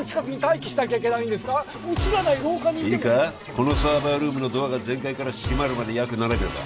このサーバールームのドアが全開から閉まるまで約７秒だ